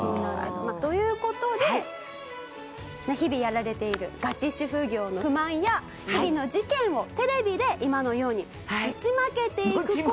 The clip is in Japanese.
という事で日々やられているガチ主婦業の不満や日々の事件をテレビで今のようにぶちまけていく事で。